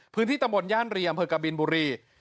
พื้นที่ตะหมดย่านเรียมเผิกกะบิลบุรี